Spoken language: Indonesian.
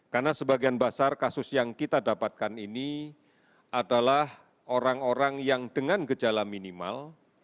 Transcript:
karena sebagian besar kasus yang kita dapatkan ini adalah orang orang yang dengan gejala minimal